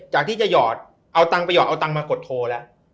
จากที่จะหยอดเอาตังค์ไปหอดเอาตังค์มากดโทรแล้ว